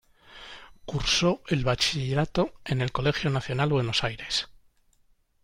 Cursó el Bachillerato en el Colegio Nacional Buenos Aires.